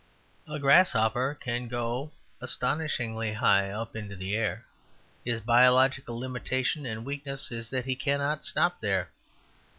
A grasshopper can go astonishingly high up in the air, his biological limitation and weakness is that he cannot stop there.